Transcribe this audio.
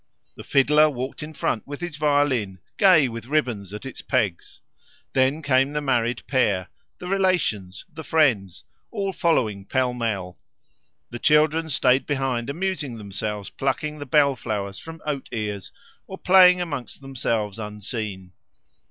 The fiddler walked in front with his violin, gay with ribbons at its pegs. Then came the married pair, the relations, the friends, all following pell mell; the children stayed behind amusing themselves plucking the bell flowers from oat ears, or playing amongst themselves unseen.